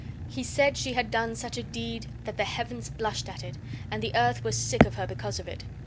He said she had done such a deed that the heavens blushed at it, and the earth was sick of her because of it.